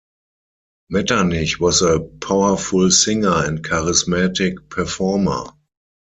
Metternich was a powerful singer and charismatic performer.